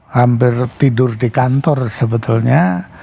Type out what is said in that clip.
hampir tidur di kantor sebetulnya